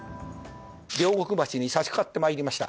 両国橋にさしかかってまいりました。